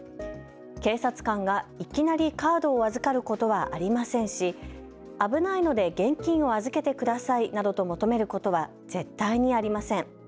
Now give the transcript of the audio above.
警察官がいきなりカードを預かることはありませんし危ないので現金を預けてくださいなどと求めることは絶対にありません。